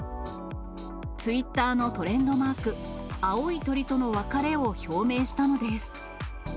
ツイッターのトレンドマーク、青い鳥との別れを表明したのです。